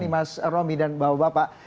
mas romi dan bapak bapak